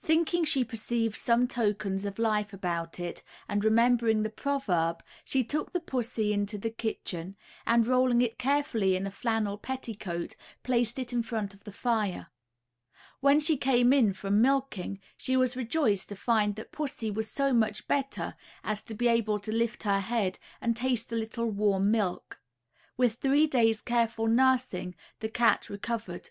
Thinking she perceived some tokens of life about it, and remembering the proverb, she took the pussy into the kitchen, and rolling it carefully in a flannel petticoat, placed it in front of the fire. When she came in from milking, she was rejoiced to find that pussy was so much better, as to be able to lift her head and taste a little warm milk. With three days' careful nursing the cat recovered.